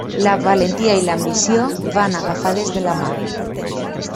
La valentia i l'ambició van agafades de la mà.